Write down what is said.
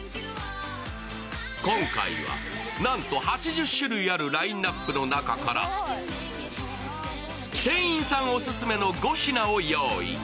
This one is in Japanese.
今回は、なんと８０種類あるラインナップの中から店員さんオススメの５品を用意。